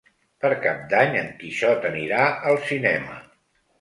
Per Cap d'Any en Quixot anirà al cinema.